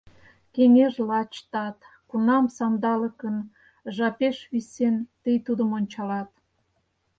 Кеҥеж лач тат, кунам, сандалыкын жапеш висен, тый тудым ончалат.